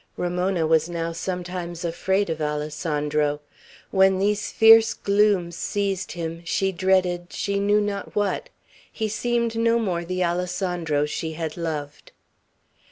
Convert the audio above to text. Ramona was now sometimes afraid of Alessandro. When these fierce glooms seized him, she dreaded, she knew not what. He seemed no more the Alessandro she had loved.